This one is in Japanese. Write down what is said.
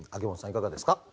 いかがですか？